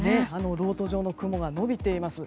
ろうと状の雲が延びています。